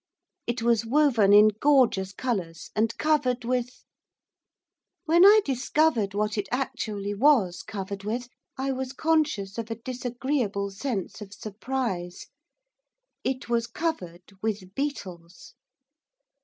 It was woven in gorgeous colours, and covered with When I discovered what it actually was covered with, I was conscious of a disagreeable sense of surprise. It was covered with beetles!